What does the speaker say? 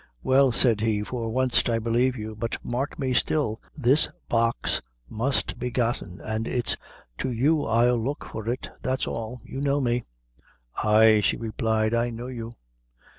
"Well," said he, "for wanst I believe you but mark me still this box munt be gotten, an' it's to you I'll look for it. That's all you know me." "Ay," she replied, "I know you."